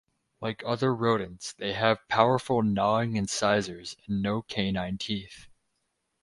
Like other rodents, they have powerful gnawing incisors, and no canine teeth.